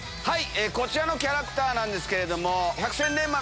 こちらのキャラクターなんですけど。